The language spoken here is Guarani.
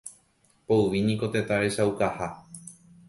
Poyvi niko tetã rechaukaha.